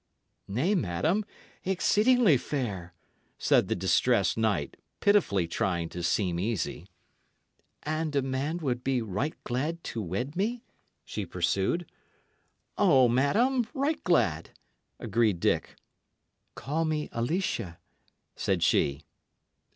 "Nay, madam, exceedingly fair," said the distressed knight, pitifully trying to seem easy. "And a man would be right glad to wed me?" she pursued. "O, madam, right glad!" agreed Dick. "Call me Alicia," said she.